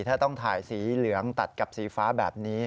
ถ้าต้องถ่ายสีเหลืองตัดกับสีฟ้าแบบนี้